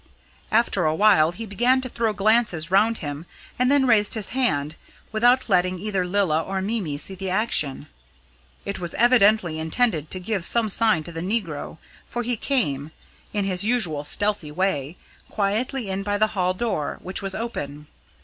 After a while he began to throw glances round him and then raised his hand, without letting either Lilla or Mimi see the action. It was evidently intended to give some sign to the negro, for he came, in his usual stealthy way, quietly in by the hall door, which was open.